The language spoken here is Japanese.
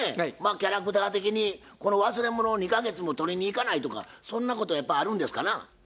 キャラクター的にこの忘れ物を２か月も取りに行かないとかそんなことやっぱあるんですかな？